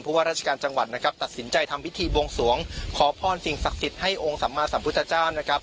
เพราะว่าราชการจังหวัดนะครับตัดสินใจทำพิธีบวงสวงขอพรสิ่งศักดิ์สิทธิ์ให้องค์สัมมาสัมพุทธเจ้านะครับ